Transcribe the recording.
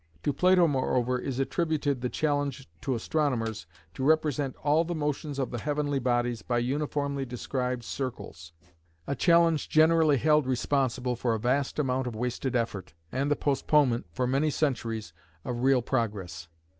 To Plato moreover is attributed the challenge to astronomers to represent all the motions of the heavenly bodies by uniformly described circles, a challenge generally held responsible for a vast amount of wasted effort, and the postponement, for many centuries, of real progress.